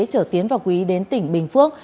chở tiến và quý đến tỉnh bình phước